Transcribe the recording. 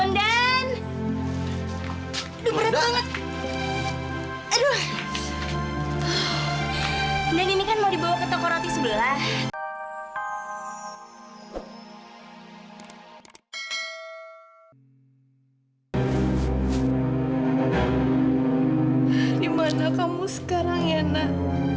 dimana kamu sekarang ya nak